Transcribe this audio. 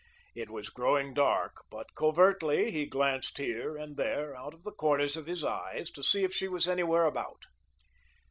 It was growing dark, but covertly he glanced here and there out of the corners of his eyes to see if she was anywhere about.